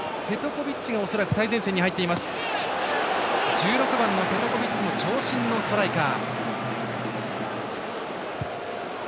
１６番のペトコビッチも長身のストライカー。